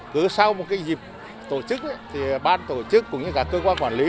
cứ sau một dịp tổ chức ban tổ chức cũng như cơ quan quản lý